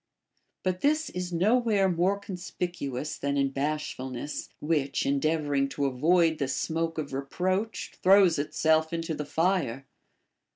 But this is nowhere more conspicuous than in bashfulness, which, endeavoring to avoid the smoke of re proach, throws itself into the fire.